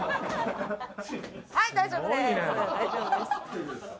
はい大丈夫です。